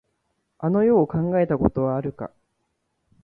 あの世を考えたことはあるか。